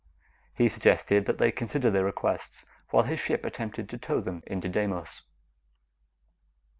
He suggested that they consider their requests while his ship attempted to tow them in to Deimos.